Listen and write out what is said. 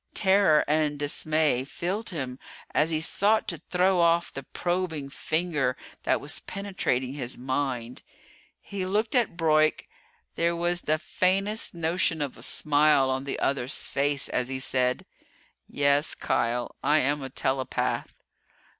Terror and dismay filled him as he sought to throw off the probing finger that was penetrating his mind. He looked at Broyk. There was the faintest notion of a smile on the other's face as he said: "Yes, Kial I am a Telepath."